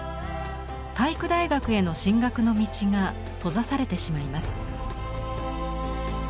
体育大学への進学の道が閉ざされてしまいます。